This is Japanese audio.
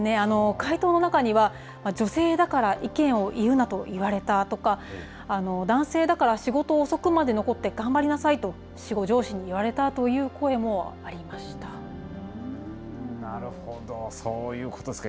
回答の中には、女性だから意見を言うなと言われたとか、男性だから仕事を遅くまで残って頑張りなさいと上司に言われたとなるほど、そういうことですか。